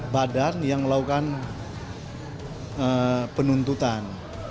badan yang melakukan penuntutan